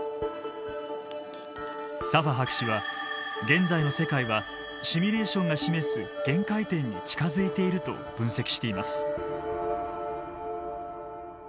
サファ博士は現在の世界はシミュレーションが示す限界点に近づいていると分析しています。